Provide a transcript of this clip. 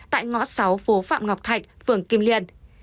tại ngõ sáu phố phạm ngọc thạch phường kim liên